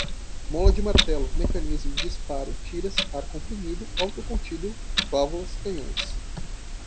mola de martelo, mecanismo, disparo, tiras, ar comprimido, autocontido, válvula, canhões